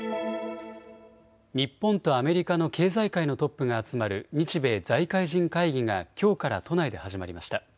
日本とアメリカの経済界のトップが集まる日米財界人会議がきょうから都内で始まりました。